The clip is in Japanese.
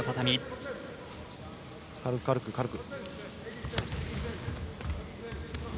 軽く、軽く。